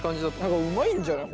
何かうまいんじゃない？